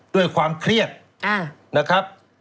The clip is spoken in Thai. ด้วยความเครียดนะครับ